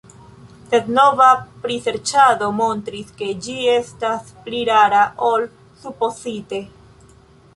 Sed nova priserĉado montris, ke ĝi estas pli rara ol supozite.